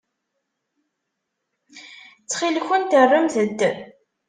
Ttxil-kent rremt-d.